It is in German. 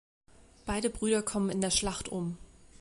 Beide Brüder kommen in der Schlacht um.